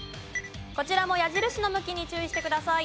こちらも矢印の向きに注意してください。